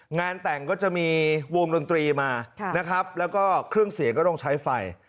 งานแต่งก็จะมีวงดนตรีมานะครับแล้วก็เครื่องเสียงก็ต้องใช้ไฟ